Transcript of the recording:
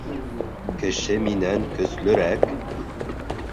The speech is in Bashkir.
— Кеше минән көслөрәк.